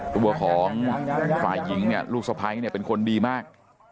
ตัวของฝ่ายหญิงเนี่ยลูกสะพ้ายเนี่ยเป็นคนดีมาก